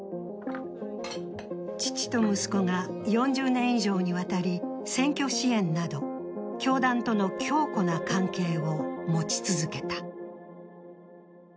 父と息子は４０年以上にわたり選挙支援など教団との強固な関係を持ち続けた。